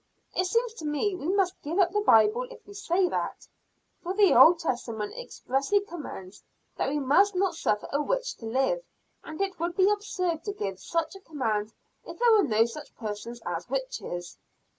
"It seems to me we must give up the Bible if we say that. For the Old Testament expressly commands that we must not suffer a witch to live; and it would be absurd to give such a command if there were no such persons as witches."